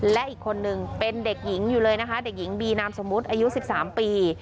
และอีกคนนึงเป็นเด็กหญิงอยู่เลยนะคะเด็กหญิงบีนามสมมุติอายุ๑๓ปี